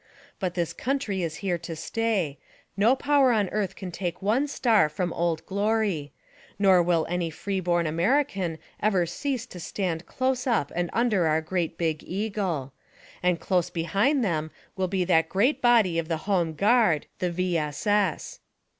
But this country is here to stay; no power on earth can take one star from Old Glory; nor will any free born American ever cease to stand close up and under our great big Eagle. And close behind them will be that great body of the home guard— the V. S. S.